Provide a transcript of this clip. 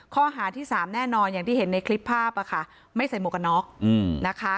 ข้อหาที่สามแน่นอนอย่างที่เห็นในคลิปภาพอ่ะค่ะไม่ใส่หมวกกันน็อกนะคะ